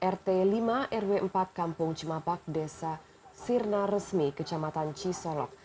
rt lima rw empat kampung cimapak desa sirna resmi kecamatan cisolok